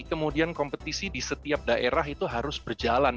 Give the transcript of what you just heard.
kemudian kompetisi di setiap daerah itu harus berjalan